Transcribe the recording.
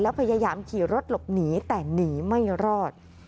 พยายามขี่รถหลบหนีแต่หนีไม่รอด